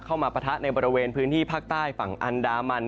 ปะทะในบริเวณพื้นที่ภาคใต้ฝั่งอันดามัน